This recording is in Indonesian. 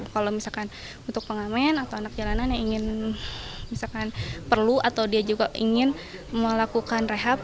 kalau misalkan untuk pengamen atau anak jalanan yang ingin misalkan perlu atau dia juga ingin melakukan rehab